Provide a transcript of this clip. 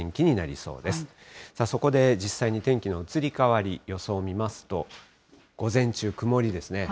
そこで実際に天気の移り変わり、予想を見ますと、午前中、曇りですね。